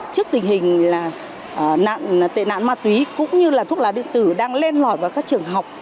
trước tình hình là tên nạn ma túy cũng như là thuốc lá định tử đang lên lỏi vào các trường học